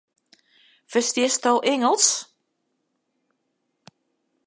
Ferstiesto Ingelsk?